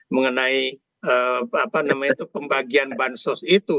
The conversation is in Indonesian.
mengenai apa namanya itu pembagian bansos itu